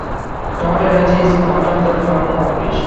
Todd Energy is part of the Todd Corporation.